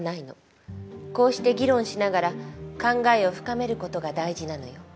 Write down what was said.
こうして議論しながら考えを深める事が大事なのよ。